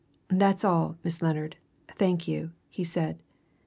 "That's all, Miss Lennard, thank you," he said.